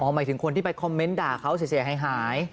หมายถึงคนที่ไปคอมเมนต์ด่าเขาเสียหาย